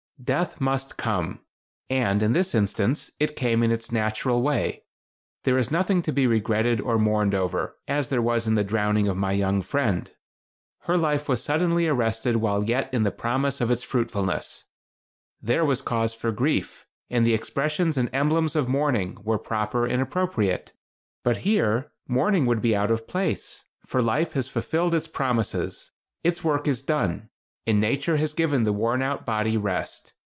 Death must come, and, in this instance, it came in its natural way. There is nothing to be regretted or mourned over, as there was in the drowning of my young friend. Her life was suddenly arrested while yet in the promise of its fruitfulness. There was cause for grief, and the expressions and emblems of mourning were proper and appropriate. But here, mourning would be out of place, for life has fulfilled its promises. Its work is done, and nature has given the worn out body rest.